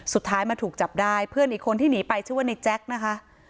สุดท้ายมาถูกจับได้เพื่อนอีกคนที่หนีไปชื่อว่าในแจ๊คนะคะ